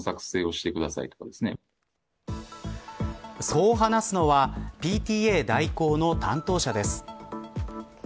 そう話すのはＰＴＡ代行の担当者です。